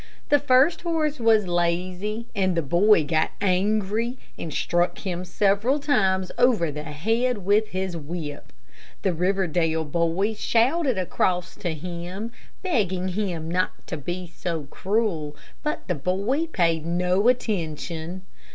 The first horse was lazy, and the boy got angry and struck him several times over the head with his whip. The Riverdale boy shouted across to him, begging him not to be so cruel; but the boy paid no attention.